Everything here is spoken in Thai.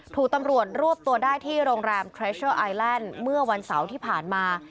ถูกตำรวจรวบตัวได้ที่โรงแรมเครชเชอร์ไอแลนด์เมื่อวันเสาร์ที่ผ่านมา